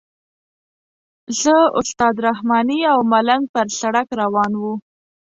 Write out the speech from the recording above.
زه استاد رحماني او ملنګ پر سړک روان وو.